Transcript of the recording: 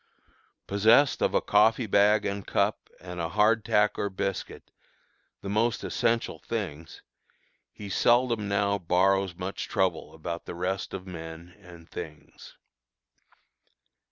Possessed of a coffee bag and cup and a hard tack or biscuit, the most essential things, he seldom now borrows much trouble about the rest of men and things.